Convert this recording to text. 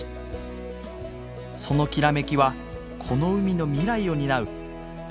そのきらめきはこの海の未来を担う大切な宝です。